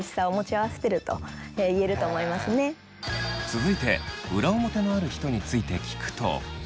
続いて裏表のある人について聞くと。